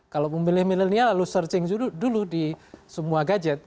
kalau pemilih milenial lalu searching dulu di semua gadget